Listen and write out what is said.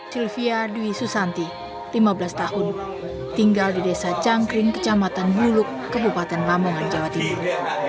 sylvia dwi susanti lima belas tahun tinggal di desa cangkring kecamatan buluk kebupaten lamongan jawa timur